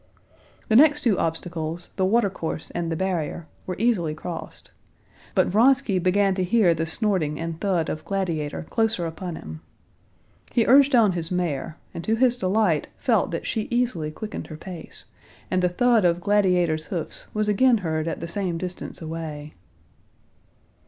The next two obstacles, the water course and the barrier, were easily crossed, but Vronsky began to hear the snorting and thud of Gladiator closer upon him. He urged on his mare, and to his delight felt that she easily quickened her pace, and the thud of Gladiator's hoofs was again heard at the same distance away.